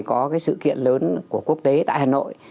có cái sự kiện lớn của quốc tế tại hà nội